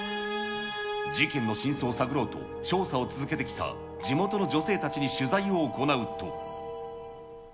事件の真相を探ろうと、調査を続けてきた地元の女性たちに取材を行うと。